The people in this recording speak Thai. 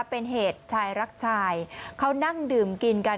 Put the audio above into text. เป็นเหตุชายรักชายเขานั่งดื่มกินกัน